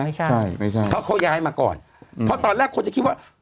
ไม่ใช่ไม่ใช่เพราะเขาย้ายมาก่อนเพราะตอนแรกคนจะคิดว่า